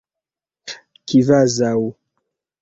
kvazaŭ